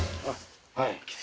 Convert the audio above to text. はい。